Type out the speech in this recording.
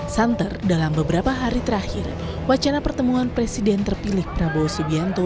santer dalam beberapa hari terakhir wacana pertemuan presiden terpilih prabowo subianto